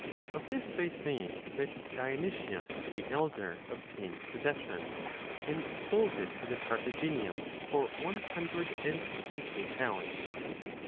Of this they say that 20 Dionysius the Elder obtained possession, and sold it to the Carthaginians for one hundred and twenty talents.